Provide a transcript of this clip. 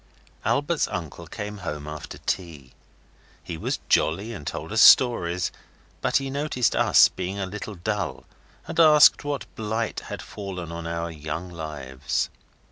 Albert's uncle came home after tea. He was jolly, and told us stories, but he noticed us being a little dull, and asked what blight had fallen on our young lives.